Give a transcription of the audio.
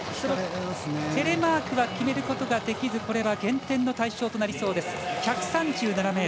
テレマークは決めることができずこれは減点の対象となりそうです。